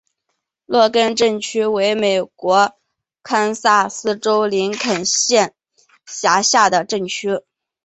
洛根镇区为美国堪萨斯州林肯县辖下的镇区。